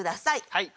はい。